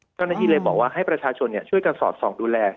เจ้าหน้าที่เลยบอกว่าให้ประชาชนช่วยกันสอดส่องดูแล